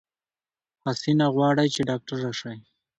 حسينه غواړی چې ډاکټره شی